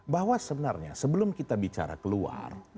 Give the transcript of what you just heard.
bahwa sebenarnya sebelum kita bicara keluar